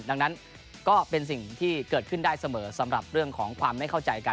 ดังนั้นก็เป็นสิ่งที่เกิดขึ้นได้เสมอสำหรับเรื่องของความไม่เข้าใจกัน